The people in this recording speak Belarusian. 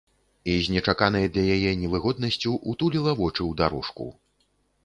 І з нечаканай для яе невыгоднасцю ўтуліла вочы ў дарожку.